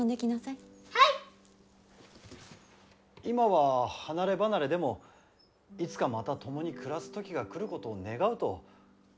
今は離れ離れでもいつかまた共に暮らす時が来ることを願うと。